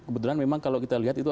kebetulan memang kalau kita lihat itu